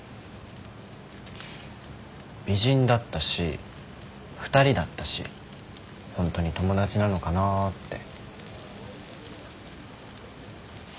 美人だったし２人だったしホントに友達なのかなぁって。